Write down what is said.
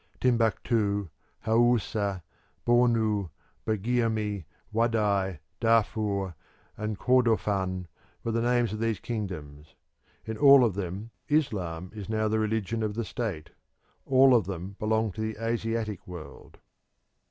Timbuktu, Haoussa, Bornu, Bagirmi, Waday, Darfur, and Kordofan were the names of these kingdoms; in all of them Islam is now the religion of the state; all of them belong to the Asiatic world.